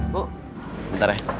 bu bentar ya